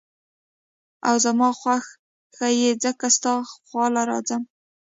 او زما خوښ ئې ځکه ستا خواله راځم ـ